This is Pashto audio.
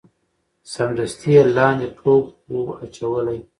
سمدستي یې لاندي ټوپ وو اچولی